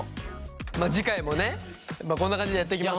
次回もねこんな感じでやってきます。